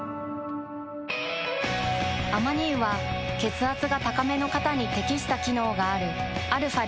アマニ油は血圧が高めの方に適した機能があるαー